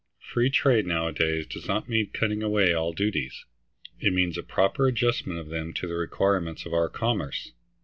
Free trade nowadays does not mean cutting away all duties; it means a proper adjustment of them to the requirements of our commerce.